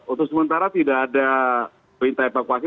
untuk sementara tidak ada perintah evakuasi